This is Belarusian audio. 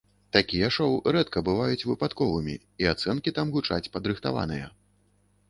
Такія шоу рэдка бываюць выпадковымі і ацэнкі там гучаць падрыхтаваныя.